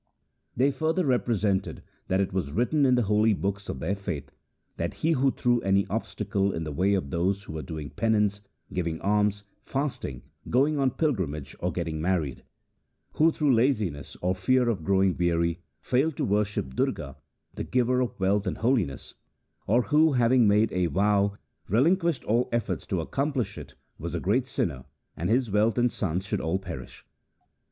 They further represented that it was written in the holy books of their faith, that he who threw any obstacle in the way of those who were doing penance, giving alms, fasting, going on pilgrimage, or getting married ; who through laziness or fear of growing weary failed to worship Durga, the giver of wealth and holiness; or who having made a vow relinquished all efforts to accom plish it, was a great sinner, and his wealth and sons should all perish.